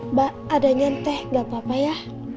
mbak ada nyantai gak apa apa ya